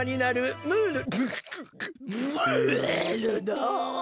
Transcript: ムールの。